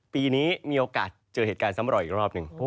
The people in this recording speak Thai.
ปีนี้มีโอกาสเจอเหตุการณ์ซ้ำรอยอีกรอบหนึ่ง